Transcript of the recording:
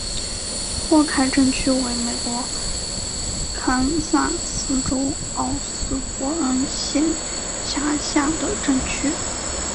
霍凯镇区为美国堪萨斯州奥斯伯恩县辖下的镇区。